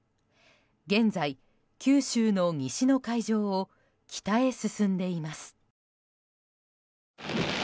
現在、九州の西の海上を北へ進んでいます。